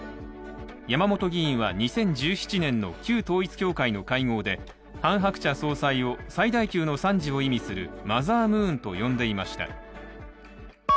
山本議員は２０１７年の旧統一教会の会合でハン・ハクチャ総裁を最大級の賛辞を意味するマザームーンと読んでいました。